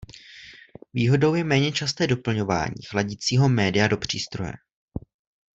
Výhodou je méně časté doplňování chladicího média do přístroje.